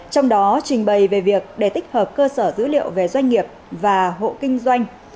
trong đó trình bày về việc để tích hợp cơ sở dữ liệu về doanh nghiệp và hộ kinh doanh